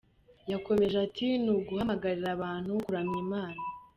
Yakomeje ati “Ni uguhamagarira abantu kuramya Imana.